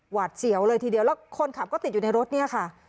เสียวเลยทีเดียวแล้วคนขับก็ติดอยู่ในรถเนี่ยค่ะ